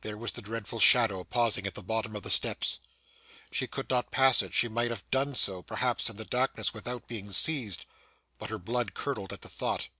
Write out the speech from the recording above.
There was the dreadful shadow, pausing at the bottom of the steps. She could not pass it; she might have done so, perhaps, in the darkness without being seized, but her blood curdled at the thought.